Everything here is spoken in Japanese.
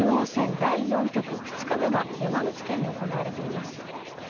第４局２日目が山口県で行われています。